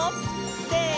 せの！